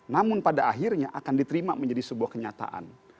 namun pada akhirnya akan diterima menjadi sebuah kenyataan